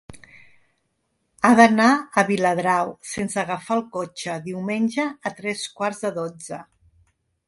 He d'anar a Viladrau sense agafar el cotxe diumenge a tres quarts de dotze.